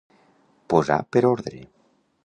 Posar per ordre.